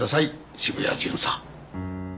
渋谷巡査。